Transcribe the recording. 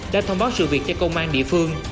đã thông báo sự việc cho công an địa phương